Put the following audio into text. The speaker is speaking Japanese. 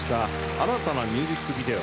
新たなミュージックビデオ